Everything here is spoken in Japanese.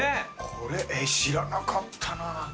これ知らなかったな。